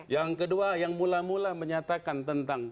yang kedua yang mula mula menyatakan tentang